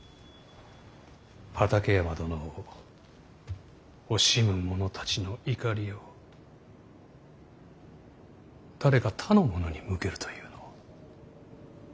畠山殿を惜しむ者たちの怒りを誰か他の者に向けるというのは。